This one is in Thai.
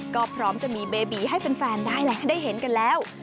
ก็พร้อมจะมีเบบีให้แฟนได้แล้วได้เห็นกันแล้ว